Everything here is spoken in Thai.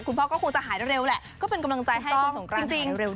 คุณพ่อก็คงจะหายเร็วแหละก็เป็นกำลังใจให้คุณสงกรานหายเร็วด้วย